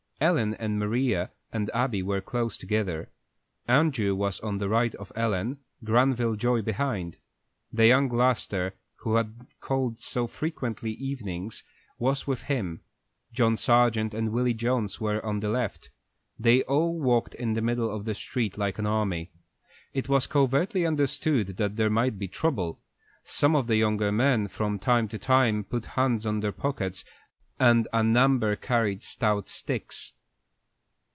Ellen and Maria and Abby were close together. Andrew was on the right of Ellen, Granville Joy behind; the young laster, who had called so frequently evenings, was with him. John Sargent and Willy Jones were on the left. They all walked in the middle of the street like an army. It was covertly understood that there might be trouble. Some of the younger men from time to time put hands on their pockets, and a number carried stout sticks.